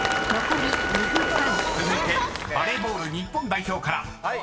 ［続いてバレーボール日本代表から］